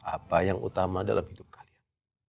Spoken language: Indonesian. apa yang utama dalam hidup kalian